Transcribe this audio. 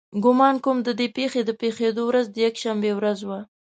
ګمان کوم د دې پېښې د پېښېدو ورځ د یکشنبې ورځ وه.